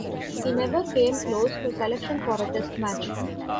He never came close to selection for a Test match.